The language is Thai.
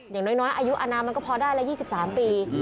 อย่างน้อยอายุอนามมันก็พอได้แล้ว๒๓ปี